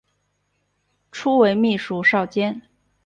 初为秘书少监。